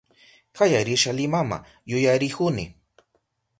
Kaya risha Limama yuyarihuni